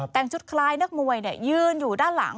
แต่งชุดคล้ายนักมวยยืนอยู่ด้านหลัง